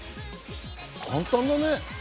簡単だね。